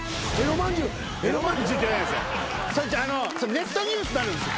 ネットニュースなるんすよ。